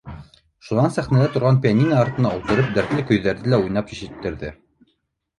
Шунан сәхнәлә торған пианино артына ултырып, дәтле көйҙәрҙе лә уйнап ишеттерҙе.